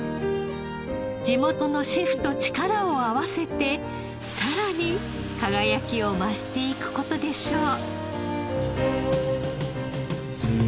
地元のシェフと力を合わせてさらに輝きを増していく事でしょう。